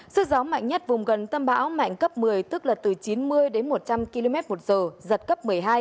sức gió mạnh nhất vùng gần tâm bão mạnh cấp một mươi tức là từ chín mươi đến một trăm linh km một giờ giật cấp một mươi hai